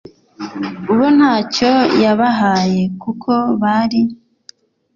bo nta cyo yabahaye kuko bari